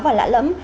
và lạ lẫm